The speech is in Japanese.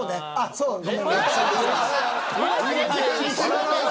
そうね。